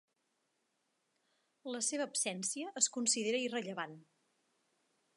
La seva absència es considera irrellevant.